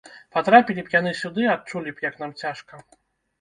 Патрапілі б яны сюды, адчулі б, як нам цяжка.